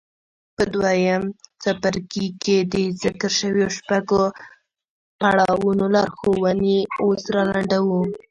په دويم څپرکي کې د ذکر شويو شپږو پړاوونو لارښوونې اوس را لنډوو.